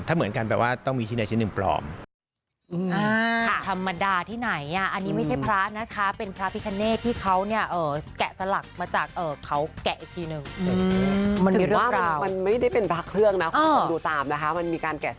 ถ้าเหมือนกันแบบว่าต้องมีชิ้นใดชิ้นหนึ่งปลอม